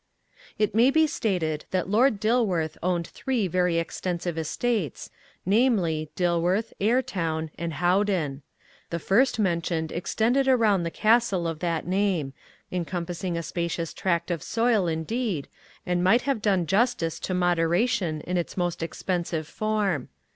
It may be stated that Lord Dilworth owned three very extensive estates, namely Dilworth, Ayrtown, and Howden. The first mentioned extended around the castle of that name, encompassing a spacious tract of soil indeed, and might have done justice to moderation in its most expensive form.